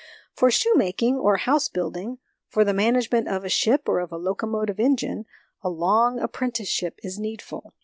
For shoemaking or house building, for the management of a ship or of a locomotive engine, a long apprenticeship is needful.